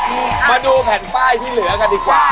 มาดูแผ่นป้ายที่เหลือกันดีกว่า